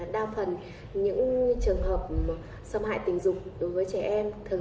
đa phần những trường hợp xâm hại tình dục đối với trẻ em thường